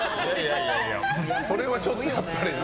それはちょっとやっぱりな。